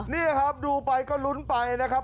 นี่ครับดูไปก็ลุ้นไปนะครับ